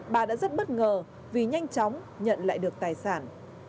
bà đã rất bất ngờ vì nhanh chóng nhận lại được tài sản